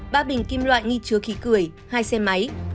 ba bình kim loại nghi chứa khí cười hai xe máy